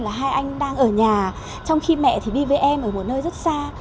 là hai anh đang ở nhà trong khi mẹ thì đi với em ở một nơi rất xa